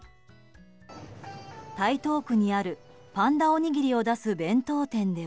台東区にあるパンダおにぎりを出す弁当店では。